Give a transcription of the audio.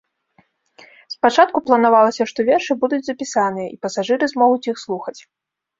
Спачатку планавалася, што вершы будуць запісаныя і пасажыры змогуць іх слухаць.